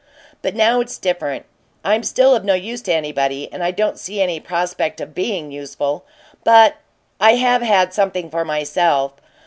But now it's different I'm still of no use to anybody, and I don't see any prospect of being useful, but I have had something for myself.